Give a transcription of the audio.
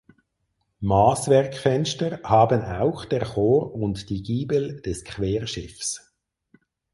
Maßwerkfenster haben auch der Chor und die Giebel des Querschiffs.